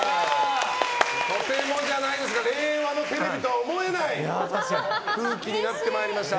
とてもじゃないですが令和のテレビとは思えない空気になってまいりました。